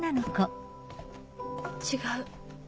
違う。